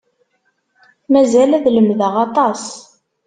Mazal ad lemdeɣ aṭas.